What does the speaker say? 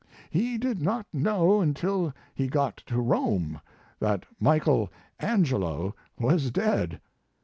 He did not know until he got to Rome that Michael Angelo was dead!